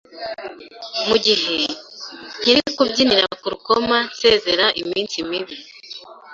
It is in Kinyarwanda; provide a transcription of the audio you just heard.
Mu gihe, nkiri kubyinira ku rukoma nsezera iminsi mibi,